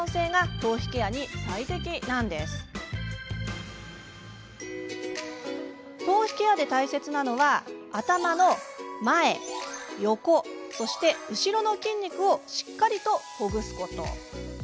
頭皮ケアで大切なのは頭の前、横、後ろの筋肉をしっかりとほぐすこと。